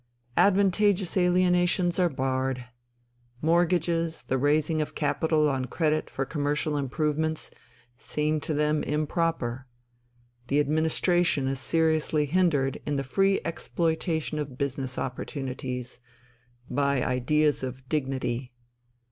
Advantageous alienations are barred. Mortgages, the raising of capital on credit for commercial improvements, seem to them improper. The administration is seriously hindered in the free exploitation of business opportunities by ideas of dignity.